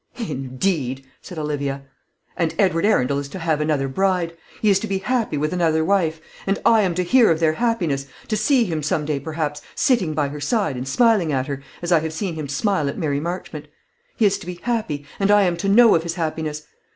"Indeed!" said Olivia; "and Edward Arundel is to have another bride. He is to be happy with another wife; and I am to hear of their happiness, to see him some day, perhaps, sitting by her side and smiling at her, as I have seen him smile at Mary Marchmont. He is to be happy, and I am to know of his happiness.